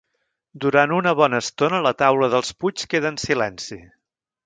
Durant una bona estona la taula dels Puig queda en silenci.